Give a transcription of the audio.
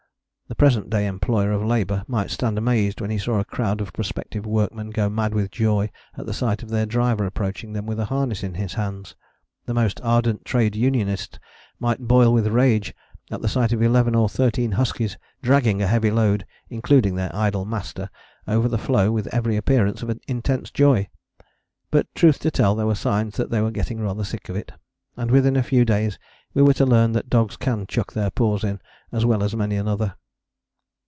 The present day employer of labour might stand amazed when he saw a crowd of prospective workmen go mad with joy at the sight of their driver approaching them with a harness in his hands. The most ardent trade unionist might boil with rage at the sight of eleven or thirteen huskies dragging a heavy load, including their idle master, over the floe with every appearance of intense joy. But truth to tell there were signs that they were getting rather sick of it, and within a few days we were to learn that dogs can chuck their paws in as well as many another.